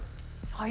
はい。